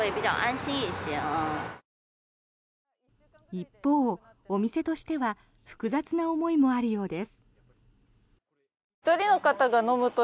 一方、お店としては複雑な思いもあるようです。